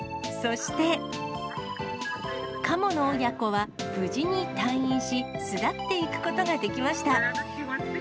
そして、カモの親子は無事に退院し、巣立っていくことができました。